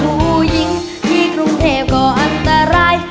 ผู้หญิงที่กรุงเทพก็อันตราย